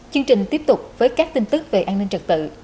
chương trình tiếp tục với các tin tức về an ninh trật tự